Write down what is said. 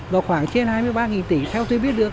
và khoảng trên hai mươi ba tỷ theo tôi biết được